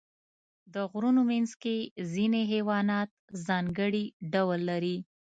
د غرونو منځ کې ځینې حیوانات ځانګړي ډول لري.